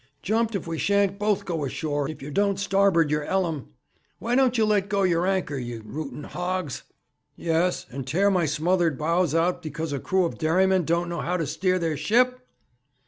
'Jumped if we shan't both go ashore if yer don't starboard yer 'ellum. Why don't you let go yer anchor, you rooting hogs?' 'Yes, and tear my smothered bows out because a crew of dairymen don't know how to steer their ship!'